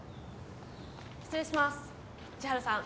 失礼します千晴さん